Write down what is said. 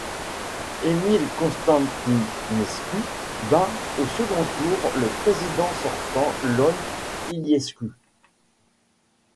Emil Constantinescu bat au second tour le président sortant Ion Iliescu.